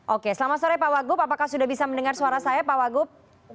oke selamat sore pak wagup apakah sudah bisa mendengar suara saya pak wagub